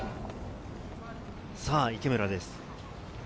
さぁ、池村です。